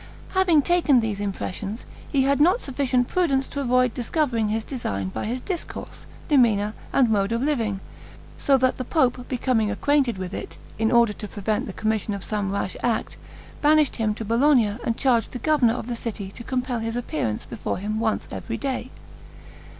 Having taken these impressions, he had not sufficient prudence to avoid discovering his design by his discourse, demeanor, and mode of living; so that the pope becoming acquainted with it, in order to prevent the commission of some rash act, banished him to Bologna and charged the governor of the city to compel his appearance before him once every day.